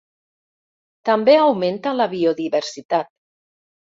També augmenta la biodiversitat.